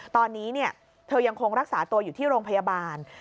ตอนนี้เธอยังคงรักษาตัวอยู่ที่โรงพยาบาล